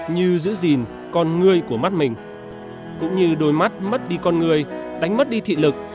như giữ gìn con người của mắt mình cũng như đôi mắt mất đi con người đánh mất đi thị lực